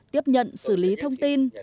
tiếp nhận xử lý thông tin